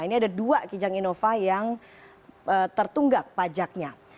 ini ada dua kijang innova yang tertunggak pajaknya